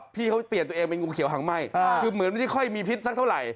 พี่เขาเปลี่ยนตัวเองเป็นงูเขียวหางไหม้คือเหมือนไม่ได้ค่อยมีพิษสักเท่าไหร่